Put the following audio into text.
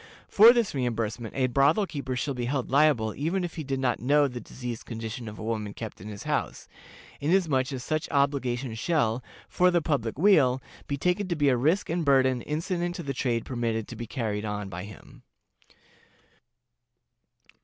For this reimbursement a brothel keeper shall be held liable even if he did not know the diseased condition of a woman kept in his house, inasmuch as such obligation shall, for the public weal, be taken to be a risk and burden incident to the trade permitted to be carried on by him.